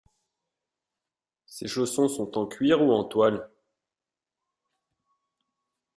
Ces chaussons sont en cuir ou en toile.